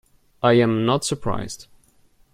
I am not surprised.